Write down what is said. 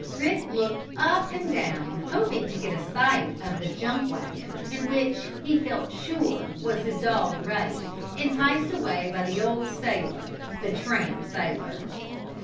Rick looked up and down, hoping to get a sight of the junk wagon in which, he felt sure, was his dog Ruddy, enticed away by the old sailor the tramp sailor.